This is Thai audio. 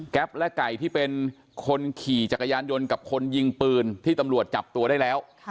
และไก่ที่เป็นคนขี่จักรยานยนต์กับคนยิงปืนที่ตำรวจจับตัวได้แล้ว